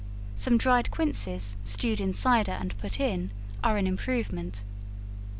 Some dried quinces stewed in cider and put in are an improvement.